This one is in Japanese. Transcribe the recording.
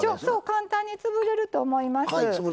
簡単に潰れると思います。